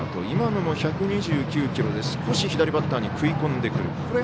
今のも１２９キロで少し左バッターに食い込んでくる。